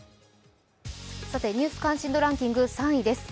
「ニュース関心度ランキング」３位です。